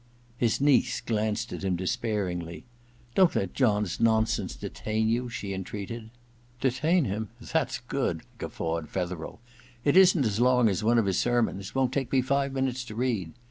His niece glanced at him despairingly. * Don't let John's nonsense detain you,' she entreated. * Detain him ? That's good,' guffawed Fetherel. *It isn't as long as one of his sermons — won't take me five minutes to read.